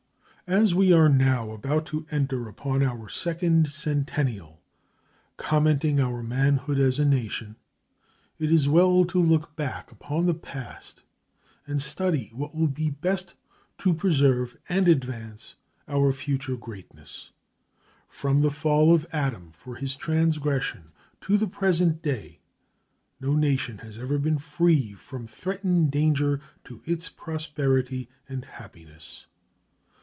As we are now about to enter upon our second centennial commenting our manhood as a nation it is well to look back upon the past and study what will be best to preserve and advance our future greatness From the fall of Adam for his transgression to the present day no nation has ever been free from threatened danger to its prosperity and happiness.